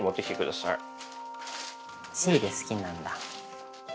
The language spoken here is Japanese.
シール好きなんだ。